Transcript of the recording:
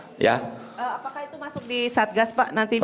apakah itu masuk di satgas pak nanti